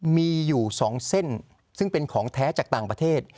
มีอยู่๒เส้นซึ่งเป็นของแท้จากต่างประเทศ